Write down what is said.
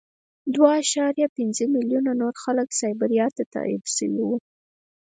دوه اعشاریه پنځه میلیونه نور خلک سایبریا ته تبعید شوي وو